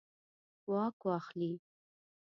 واک واخلي.